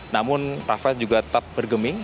namun rafael juga tetap bergeming